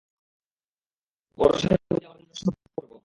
ওর সাথে বুঝি আমার দা কুমড়া সম্পর্ক?